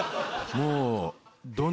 もう。